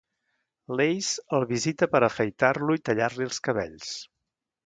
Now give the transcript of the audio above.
Lace el visita per afaitar-lo i tallar-li els cabells